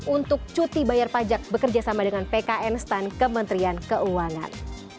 untuk cuti bayar pajak bekerjasama dengan pkn stan kementerian keuangan